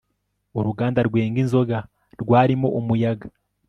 Uruganda rwenga inzoga rwarimo umuyaga